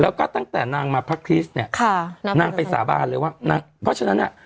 แล้วก็ตั้งแต่นางมาพักคริสต์เนี่ยค่ะนางไปสาบานเลยว่านางเพราะฉะนั้นอ่ะ